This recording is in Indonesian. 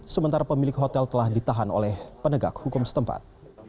sementara pemilik hotel telah ditahan oleh penegak hukum setempat